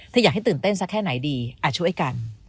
ถ้าอยากให้ตื่นเต้นสักแค่ไหนดีช่วยกัน